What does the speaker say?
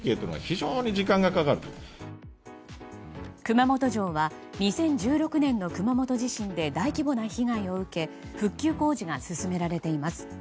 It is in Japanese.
熊本城は２０１６年の熊本地震で大規模な被害を受け復旧工事が進められています。